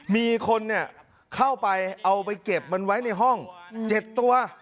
มีคนเข้าไปเอาไปเก็บมันไว้ในห้อง๗ตัว